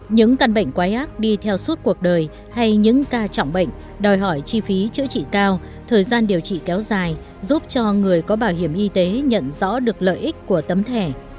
những căn bệnh quái ác đi theo suốt cuộc đời hay những ca trọng bệnh đòi hỏi chi phí chữa trị cao thời gian điều trị kéo dài giúp cho người có bảo hiểm y tế nhận rõ được lợi ích của tấm thẻ